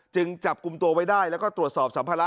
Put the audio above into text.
จับกลุ่มตัวไว้ได้แล้วก็ตรวจสอบสัมภาระ